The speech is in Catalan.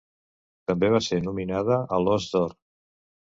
També va ser nominada a l'Ós d'Or.